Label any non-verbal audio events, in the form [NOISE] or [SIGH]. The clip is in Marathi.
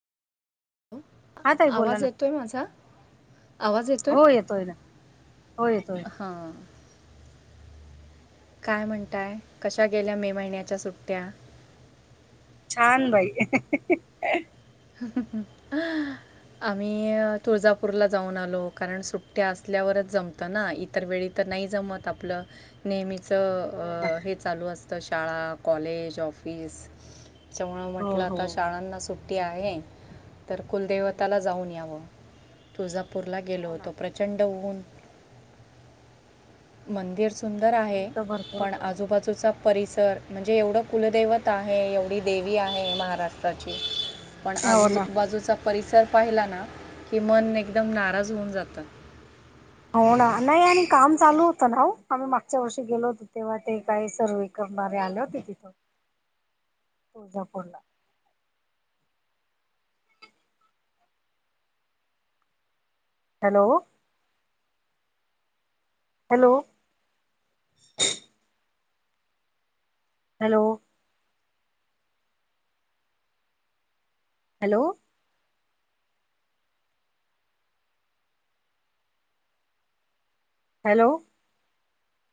हा ताई बोला आवाज ना येतोय माझा? आवाज येतोय? हो ना हो येतोय हां काय वाटतंय कशा गेल्या मे महिन्याच्या सुट्ट्या? छान भाई. आ [INAUDIBLE] आम्ही तुळजापूरला जाऊन आलो, कारण सुट्ट्या असल्यावरच जमतो. ना इतर वेळी तर नाही जमत आपलं. हो ना नेहमीचं हे चालू असतं शाळा कॉलेज ऑफिस. त्याच्यामुळे हो म्हटलं हो आता शाळांना सु- सुट्टी आहे, तर कुलदेवताला जाऊन याव तुळजापूरला गेलो हो ना होतो प्र- चंडवहून मंदिर सुंदर आहे ऊन तर भरपूर पण होत आजूबाजू- तिचा परिसर, म्हणजे एवढं कुलदैवत आहे, एवढी देवी आहे महाराष्ट्राची. पण हो ना आजूबाजूचा परिसर पाहिला ना, की मन एकदम नाराज होऊन जातं. हो ना, नाही आणि काम चालू होतं ना हो, आम्ही मागच्या वर्षी गेलो होतो तेव्हा ते काय सर्व- करणारे आले होते तिथं. ह तूळजापुरला. Hello! Hello! Hello! Hello! Hello!